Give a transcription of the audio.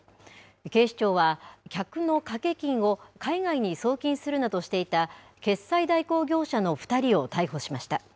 警視庁は、客の賭け金を海外に送金するなどしていた決済代行業者の２人を逮捕しました。